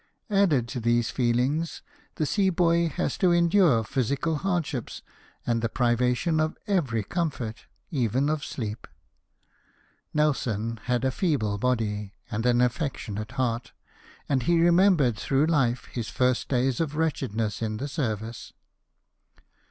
Added to these feeUngs, the sea boy has to endure physical hardships, and the privation of every com fort, even of sleep. Nelson had a feeble body, and an ON BOARD THE ''TRIUMPH:' 5 affectionate heart, and he remembered through life his first days of wretchedness in the service.